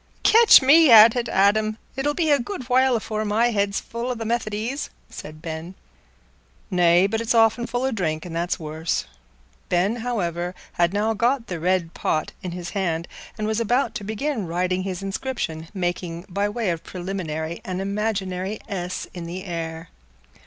"Catch me at it, Adam. It'll be a good while afore my head's full o' th' Methodies," said Ben. "Nay, but it's often full o' drink, and that's worse." Ben, however, had now got the "red pot" in his hand, and was about to begin writing his inscription, making, by way of preliminary, an imaginary S in the air.